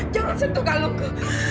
jangan sentuh kalungku